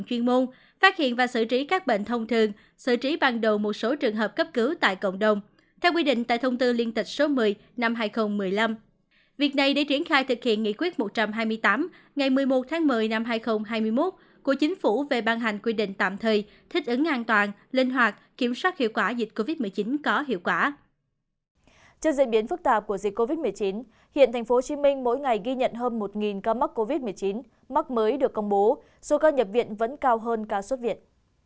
trên diễn biến phức tạp của dịch covid một mươi chín hiện tp hcm mỗi ngày ghi nhận hơn một ca mắc covid một mươi chín mắc mới được công bố số ca nhập viện vẫn cao hơn ca xuất viện